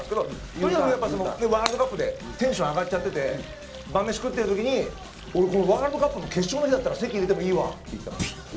とにかくやっぱワールドカップでテンション上がっちゃってて晩飯食ってる時に「俺このワールドカップの決勝の日だったら籍入れてもいいわ」って言ったんですよ。